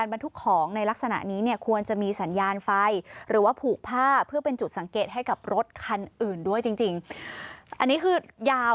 แล้วก็มันมีผ้าแดงด้วยไงฮะสวัสดีค่ะ